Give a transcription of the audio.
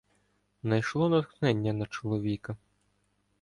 Найшло натхнення на чоловіка.